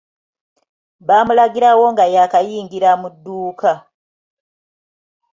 Baamulagirawo nga yaakayingira mu dduuka.